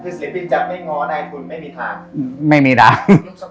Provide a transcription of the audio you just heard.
คือสลิตินจัดไม่ง้อในทุนไม่มีทาง